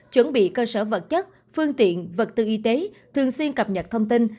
chuẩn bị cơ sở vật chất phương tiện vật tư y tế thường xuyên cập nhật thông tin